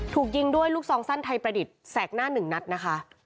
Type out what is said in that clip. ถูกยิงด้วยลูกซองสั้นไทยประดิษฐ์แสกหน้าหนึ่งนัดนะคะ